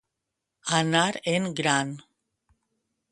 Anar en gran.